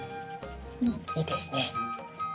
いいですね。